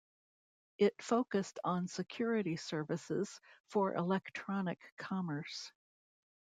It focused on security services for electronic commerce.